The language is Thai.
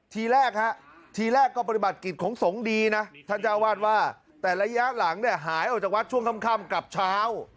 ทีแรกฮะทีแรกก็ปฏิบัติกิจของสงฆ์ดีนะท่านเจ้าวาดว่าแต่ระยะหลังเนี่ยหายออกจากวัดช่วงค่ำกลับเช้า